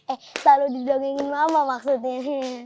eh selalu didongengin mama maksudnya